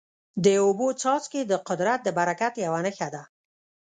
د اوبو څاڅکي د قدرت د برکت یوه نښه ده.